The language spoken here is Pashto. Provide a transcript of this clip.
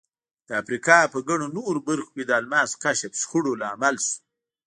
د افریقا په ګڼو نورو برخو کې د الماسو کشف شخړو لامل شو.